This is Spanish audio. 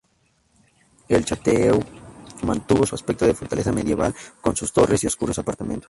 El Château mantuvo su aspecto de fortaleza medieval, con sus torres y oscuros apartamentos.